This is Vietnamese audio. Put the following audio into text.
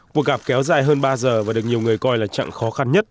cuộc gặp kéo dài hơn ba giờ và được nhiều người coi là chặng khó khăn nhất